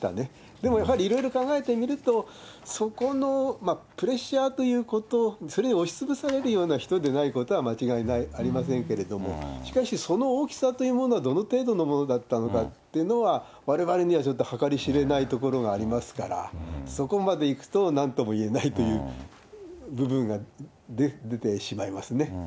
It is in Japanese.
でもやはりいろいろ考えてみると、そこのプレッシャーということ、それに押しつぶされるような人でないことは間違いありませんけれども、しかし、その大きさというものは、どの程度のものだったのかっていうのは、われわれにはちょっと計り知れないところがありますから、そこまでいくと、なんともいえないという部分が出てしまいますね。